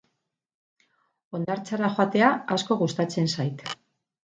Hondartzara joatea asko gustatzen zait.